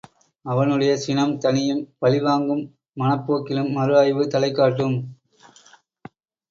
அவனுடைய சினம் தணியும், பழிவாங்கும் மனப் போக்கிலும் மறு ஆய்வு தலைகாட்டும்.